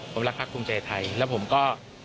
ผมรักพักภูมิใจไทยแล้วผมก็